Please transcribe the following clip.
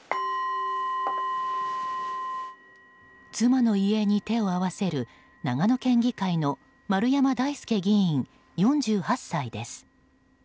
妻の遺影に手を合わせる長野県議会の丸山大輔議員、４８歳です。